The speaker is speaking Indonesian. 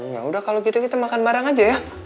yaudah kalau gitu kita makan bareng aja ya